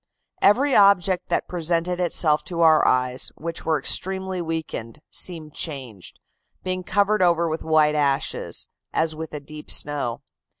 Every object that presented itself to our eyes (which were extremely weakened) seemed changed, being covered over with white ashes, as with a deep snow.